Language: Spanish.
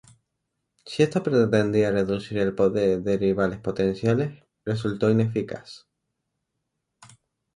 Si esto pretendía reducir el poder de rivales potenciales, resultó ineficaz.